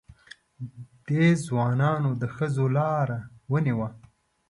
دې ځوانانو د ښځو لاره ونیوه.